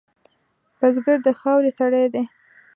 بزګر د خاورې سړی دی